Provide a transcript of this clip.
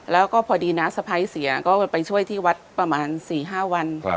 แล้วก็พอดีน้าสะพ้ายเสียก็ไปช่วยที่วัดประมาณ๔๕วัน